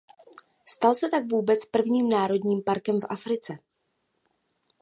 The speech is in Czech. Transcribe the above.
Stal se tak vůbec prvním národním parkem v Africe.